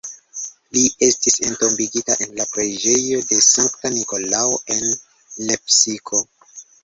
Li estis entombigita en la Preĝejo de Sankta Nikolao, en Lepsiko.